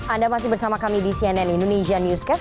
anda masih bersama kami di cnn indonesia newscast